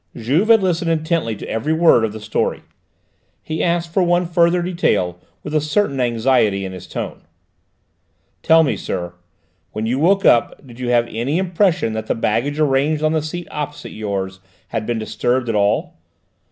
Juve had listened intently to every word of the story. He asked for one further detail with a certain anxiety in his tone. "Tell me, sir, when you woke up did you have any impression that the baggage arranged on the seat opposite yours had been disturbed at all?